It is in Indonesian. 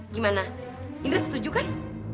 gimana indra setuju kan